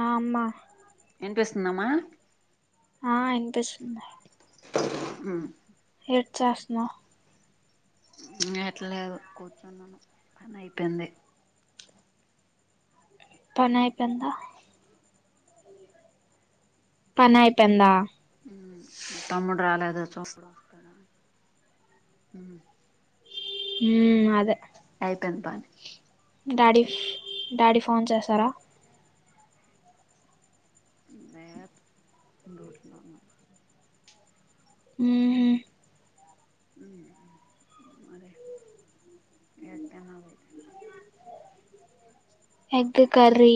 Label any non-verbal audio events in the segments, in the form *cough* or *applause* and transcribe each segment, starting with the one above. ఆ అమ్మ. ఏం చేస్తుందమ్మా ఆ ఇన్పిస్తుంది. మ్ ఏట్చేస్నావ్ ఎట్లేదు కూర్చున్నాను పనయిపోయింది. పనైపోయిందా పనైపోయిందా? మ్ తమ్ముడు రాలేదు చూసున్న వస్తాడా అని మ్ ఉమ్ అదే అయిపోయింద్ పని డాడీ డాడీ ఫోన్ చేసారా? లేద్ డ్యూట్లో ఉన్నడ్ మ్ హ్ మ్ మరే ఎట్ తిన్నవేటి ఎగ్గ్ కర్రీ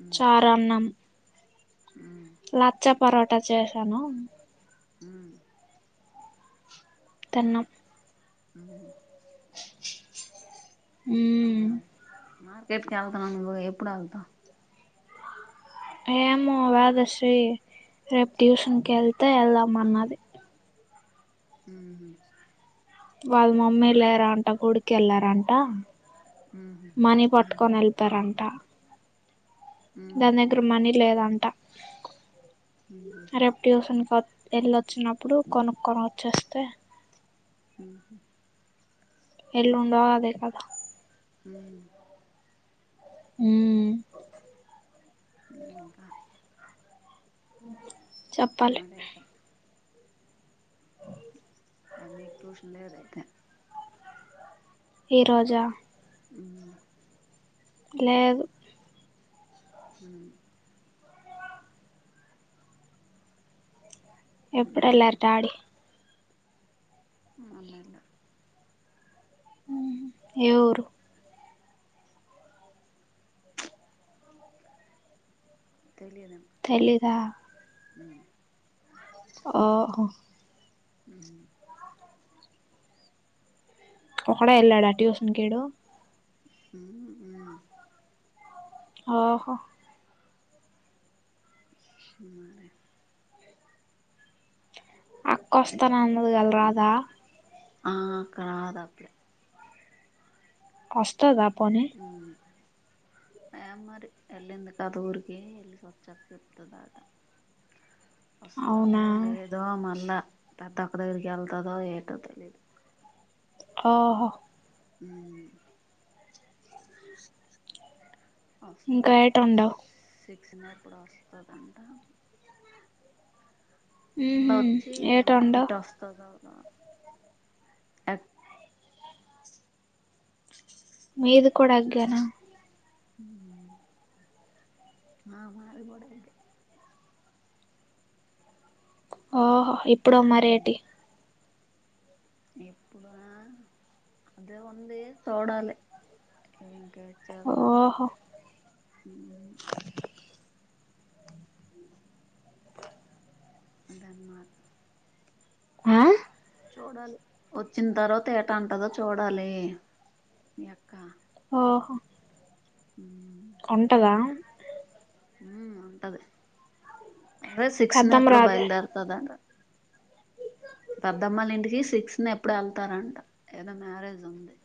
ఉమ్ చారన్నం. ఉమ్ లచ్చ పరోటా చేసాను. మ్ తన్నాం. మ్ హ్ హ్ మ్.... అదే మార్కెట్కి ఎల్తనన్నవు ఎప్పుడ్ ఎల్తవ్ ఏమో వేదశ్రీ రేప్ ట్యూషన్కెల్తె ఎళ్దాం అన్నది. మ్ హ్ వాళ్ళ మమ్మీ లేరంట గుడికెళ్ళారంట. ఉహు మనీ ఉహు పట్టుకొన్ ఎల్తారంట. ఉమ్ దాన్ దగ్గర మనీ లేదంట ఉహు రేప్ ట్యూషన్ క ఎళ్ళొచ్చినప్పుడు కొనుక్కొనోచ్చేస్తే మ్ హ్ ఎల్లుండో అదే కదా మ్ ఉమ్ ఇంకా చెప్పాలి మరేటె అ మీక్ ట్యూషన్ లేదా ఇక ఈ రోజా మ్ లేదు. హ్ ఎప్పుడ్ ఇంకా ఎల్లార్ డాడీ మొన్నెల హు్ హు్ ఏ ఊరు తెలిదా ఉమ్ ఓహొ ఒకడే ఎళ్ళాడా ట్యూషన్కీడు మ్ మ్ ఓహో *unintelligible* అక్కొస్తాన్ అన్నదిగలరాదా ఆ కాద్ అప్పుడే వస్తదా పోనీ ఆ ఏం మరి ఎళ్ళంది కాద్ ఊరికి ఎళ్ ఓచ్చాక చెప్తదా అట అవునా ఓస్తాదో లేదో మళ్ళా పెద్దక్క దగ్గరికి వెళ్తుదో ఏటో తెలిదు ఓహో ఉమ్ ఇంకా వస్తుంది ఏటొండవు సీ సినేప్ ఎప్పుడు వస్తుందంట ఉహు వచ్చి ఏమో ఏటొండవు ఇటు వస్తుంద రాదో ఏ మీది కూడా ఎగ్న ఉమ్ ఆ మది కూడా ఎగ్గే ఓహో ఇప్పుడు మరేటి ఇప్పుడా అదే ఉంది చూడాలి ఇంక అంజిస్తా ఓహో అది అనమాట ఆ చూడాలి వచ్చిన తర్వాత ఏటా అంటదో చూడాలి మీ అక్క ఓహో మ్ ఉంటద ఉమ్ ఉంటది అదే సిక్స్ నా పెద్దమ్మ ఎప్పుడు రాదే బయలుదేరుతుందింట పెద్దమ్మల్ ఇంటికి సిక్స్ న ఎప్పుడు వెళ్తారంట ఏదో మ్యారేజ్ ఉంది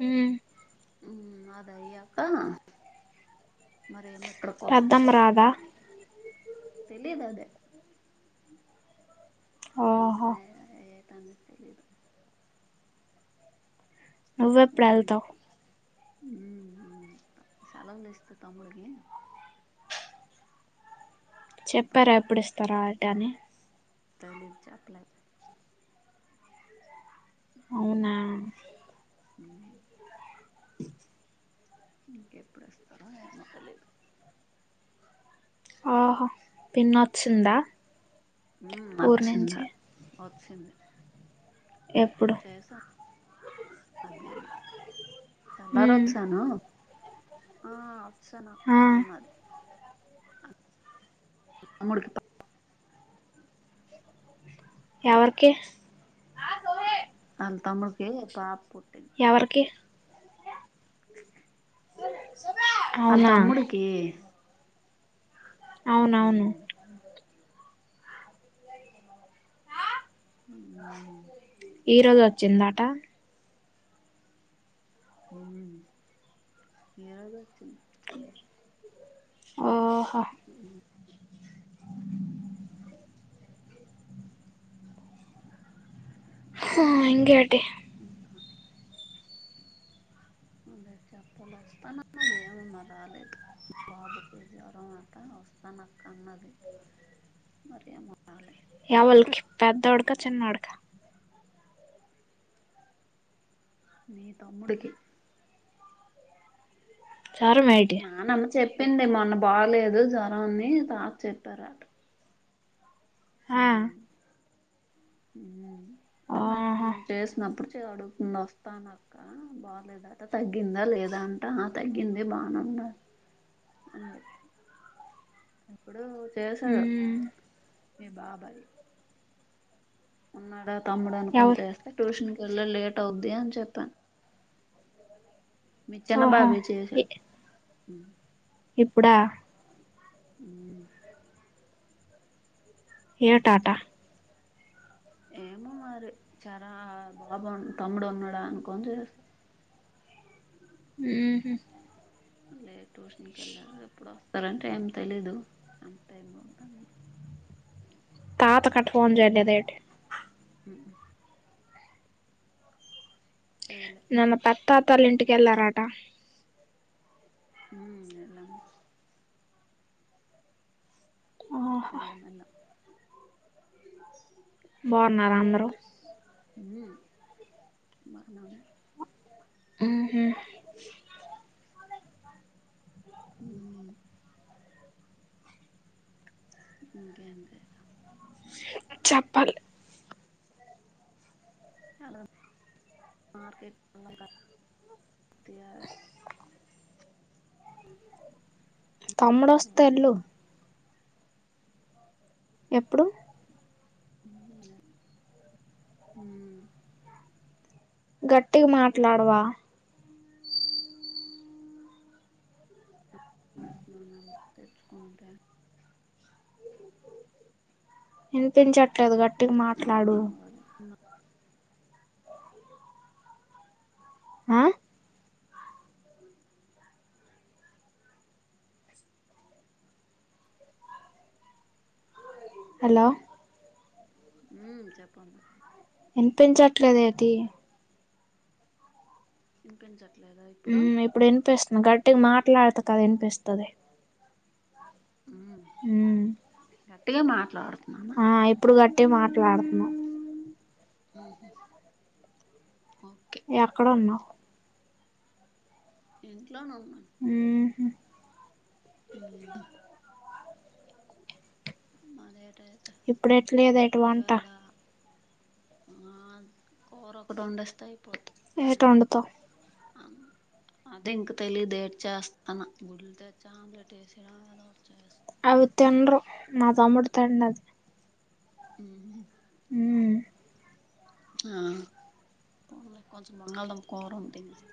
మ్ అది అయ్యాక మరేమి ఎమ్ ఎక్కడికి పెద్దమ్మ వస్తుదో రాదా లేదొ తెలీదు అదే ఇంకా ఓహో ఎ ఎట అంటాదో తెలీదు నువ్ ఎప్పుడూ ఎల్తవ్ సెలవులు ఇస్తే తమ్ముడింకి చెప్పారా ఎప్పుడు ఇస్తారా ఎల్డ్ అని తేలిద్ చెప్పలేద్ అవున మ్మ్ ఇంకెప్పుడు ఇస్తారో ఏమో తెలిదు ఆహో పినోచింద ఊరి నుంచి ఓచ్చింది ఎప్పుడు చేసా మధ్యాహ్నం తెల్లారి మ్మ్ వచ్చాను ఆ అచ్చన అక్క ఆ అన్నద్ తమ్ముడుకి ఎవరికి అంతమ్మకె పాప్పు ఎవరికీ అల్ అవునా తమ్ముడీ కీ అవునవును ఉహ్ ఈరోజొచ్చిందట ఉహ్ ఏదొచ్చన్ ఆ ఆ హ ఇంకెటి ఇంకా అదే చెప్పాల వస్తానన్నది ఏమొ మరి రాలే బాబు కి జ్వరం అంట వస్తానక్క అన్నది మరెమొ రాలె ఎవల్కి పెద్దొడ్కా చిన్నొడ్కా నీ తమ్ముడికి జరం మేటి నానమ్మ చెప్పింది మొన్న బాగలేదు జ్వరం ఉంది తాత చెప్పారంట ఆ ఉమ్ ఉ ఓహో మన చేసినప్పుడు ఎదో అడుగుతుంది వస్తానక్క బాగలేదట తగ్గిందా లేదా అంట ఆ తగ్గింది బానె ర అని చెప్ ఇప్పుడూ చేసాడు మ్మ్ మీ బాబాయి ఉన్నాడా తమ్ముడు అనుకొని ఎవరు చేస్తే ట్యూషన్ ఇవళ్ళ లేట్ అవుద్ది అని చెప్పాన్ మి చిన్న ఓహో బాబాయి చేసా ఉహ్ ఇప్పుడా ఉహ్ ఏంటటా ఏమో మరి చరా బాబ తమ్ముడు ఉన్నాడా అనుకొని చెస ఊహు లేద్ ట్యూషన్కి వెళ్ళ ఎప్పుడొస్ వస్తారంటే ఏం తెలిదు అంటే ఏమవుతన్ తాత కట్ట ఫోన్ జెయిలేదేంటి ఉ ఉ చేయలే నిన్న పెత్తాతళ్ళ ఇంటికి వెళ్ళారట ఊ ఎళ్ళాం ఓహో ఎళ్ళమెళ్ళం బాగున్నారా అందరు ఊ మనం ఊహు ఊ ఇంకేంతి చెప్పాలి హలో మార్కెట్ *unintelligible* తమ్ముడు వస్తే ఎల్లు ఎప్పుడు ఉ ఊ గట్టిగ మాట్లాడవా మస్నున తెచ్చుకుంటే వినిపించట్లేదు గట్టిగ చెల్లు మాట్లాడు. ఆ హలో ఊమ్ చెప్పన్ విన్పించట్లేదేటి ఇంకొంచన్ ఉమ్ ఇప్పుడు వినిపిస్తంది. గట్టిగా మాట్లాడతే కదా ఇనిపిస్తది. ఉమ్, ఉమ్ వా మామ టి మాట్లాడ్తనావ్? ఉమ్ ఒ ఎక్కడ ఉన్నావ్? ఇంట్లోను ఉహు ఉహు అదే ఇప్పుడు ఎట్ లేదేటి వంట? ఆ కూర ఒకటి వండేస్తే అయిపో ఏటి వండుతావ్? అమ్ అదే ఇంకా తెలియదుదేట్ చేస్తాను గుడ్లు తెచ్చా ఆమ్లెట్ వేసినా ఏదోస్తా అవి తినరు మాతమ్ముడు తిండవి. ఉహు ఉమ్ ఆ పోనిలే కొంచెం బంగాళదుంప కూర ఉంటే ఏస్త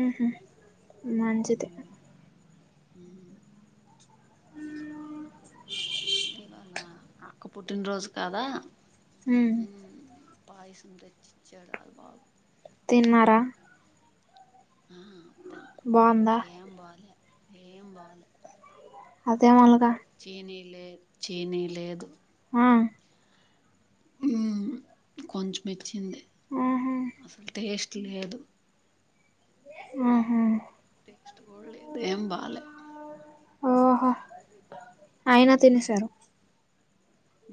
ఉహు మంచిది ఊ ఇవాళ అక్క పుట్టిన రోజు కదా. మ్ పాయిసం తెచ్చిచ్చాడు ఆల బాబు తిన్నారా? ఆ తిన్న బోందా ఏం బాలే ఏం బోలే అదేఅలగా చీనీ లే చెనీ లేదు హా ఉమ్ కొంచెం ఇచ్చింది ఆహా అసలు టేస్ట్ లేదు. ఆహా టేస్ట్ కూడా లేదు ఏం బాలే ఓహో ఆయన తినేశారు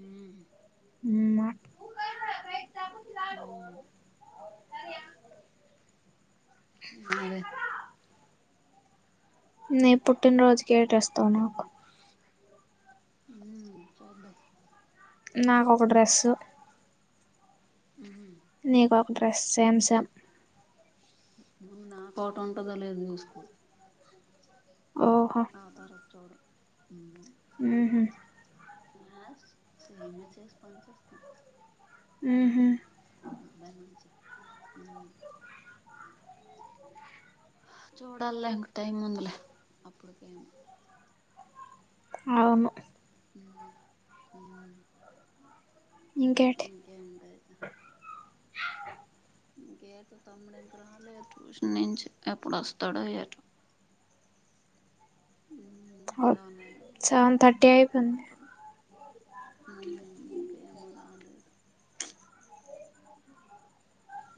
ఊహు *unintelligible* హ్మ్ *unintelligible* సరే నీ పుట్టిన రోజకి ఏటిస్తావ్ నాకు? ఉమ్ చూదాం నాకొక డ్రెస్సు హ్మ్ నీకు ఒక డ్రెస్ సామ్సంమ్ నా కోట ఉంటదో లేదు చూసుకో ఓహో ఆ తరువాత చూడు ఉహు ఆ సేమ్ సేమియా చేసి పని చేస్తాను. ఉహు మన మంచి మ్ చూడల్ల ఇంక టైం ఉందిలే అప్పుడు కేమో అవును ఉ ఊ ఇంకేటి ఇంకేంటదా ఇంకేట తమ్ముడు ఇంక రాలే టూషన్ నుంచి ఎప్పుడు వస్తాడో ఏట *inaudible* సగున్నాయి సెవెన్ థర్టీ అయిపోయింది గుంట ఉ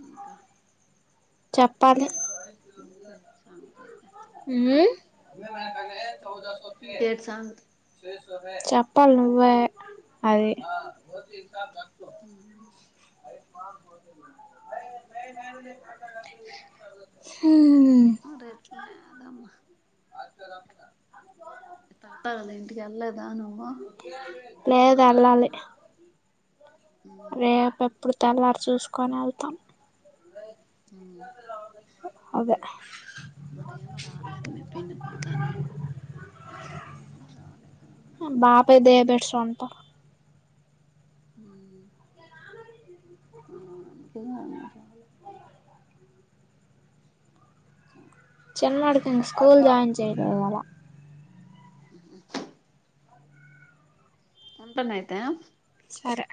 ఇంకా చప్పాలి ఇంకా ఇచ్చాం అదైతే ఇంకేటి సంగతి చెప్పాల్ నువ్వే అదే ఉ హ్మ్ రేట్లు లేదమ్మా *inaudible* తాత వాళ్ళ ఇంటికి వెళ్ళలేదా నువ్వు లేదు ఎల్లాలి రేపు ఎప్పుడ్ తెల్లారి చూసుకొని ఎల్తామ్ అదే మరేమో రాలేదు మీ పిన్ని పాడాన్నో వస్తనన్నవ్ రాలేదే ప్పా ఉ ఆ అందుకె రాల చ పిల్లడు కి స్కూల్ జాయిన్ చెయాలే ఇవాల ఉహ్ ఉంటున్నాయి అయితే సరే